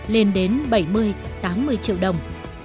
lên đến bảy mươi tám mươi triệu đồng